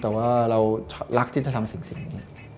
แต่ว่าเรารักจิตธรรมสิ่งนี้